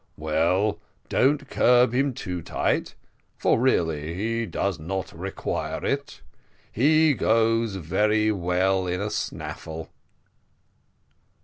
"Well, don't curb him up too tight for really he does not require it. He goes very well in a snaffle."